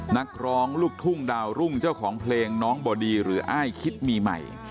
นักร้องลูกทุ่งดาวรุ่งเจ้าของเพลงน้องบอดีหรืออ้ายคิดมีใหม่